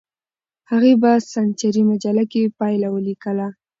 هغې په سنچري مجله کې پایله ولیکله.